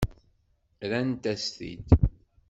Rrant-as-t-id.